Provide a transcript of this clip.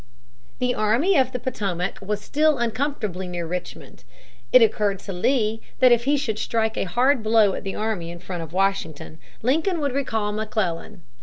The Army of the Potomac was still uncomfortably near Richmond. It occurred to Lee that if he should strike a hard blow at the army in front of Washington, Lincoln would recall McClellan.